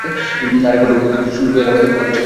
আরেক পুত্র সোহেল আহমেদ কলেজ ছাত্র।